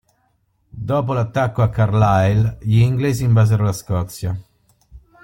Dopo l'attacco a Carlisle, gli inglesi invasero la Scozia.